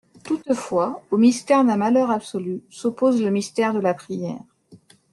Toutefois, au mystère d'un malheur absolu s'oppose le mystère de la prière.